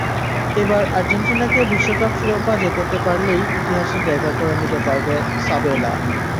এবার আর্জেন্টিনাকে বিশ্বকাপ শিরোপা জেতাতে পারলেই ইতিহাসে জায়গা করে নিতে পারবেন সাবেলা।